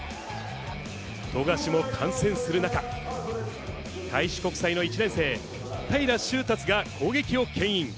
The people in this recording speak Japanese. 富樫も観戦する中、開志国際の１年生、平良宗龍が攻撃をけん引。